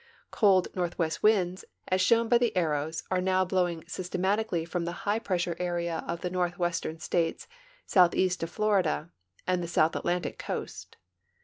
Cold, northwest winds, as shown by the arrows, are now blowing systematically from tlie high pressure area of the northwestern states southeast to Florida and the South Atlantic coast.